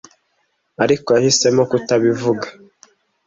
ariko yahisemo kutabivuga.